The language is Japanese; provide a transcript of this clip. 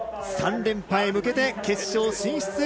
３連覇へ向けて決勝進出。